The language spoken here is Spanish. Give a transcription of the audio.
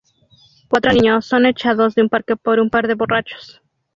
Cuatro niños son echados de un parque por un par de borrachos.